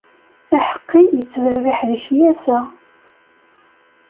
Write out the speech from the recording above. Aḥeqqi yettberriḥ lekyasa.